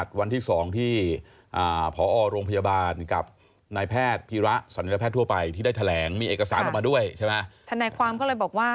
ทั้งวันแรกที่เจอกับแยถวันที่๒